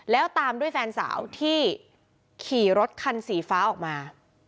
แล้วตามด้วยแฟนสาวที่ขี่รถคันสีฟ้าออกมา